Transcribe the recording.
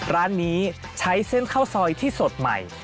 ร้านนี้ใช้เส้นข้าวซอยที่สดใหม่